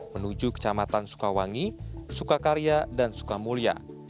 menuju kecamatan sukawangi sukakarya dan sukamulya